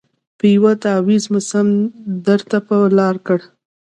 په یوه تعویذ مي سم درته پر لار کړ